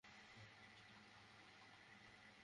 ইমাম মুসলিমের শর্তানুযায়ী যার সনদ উত্তম ও শক্তিশালী।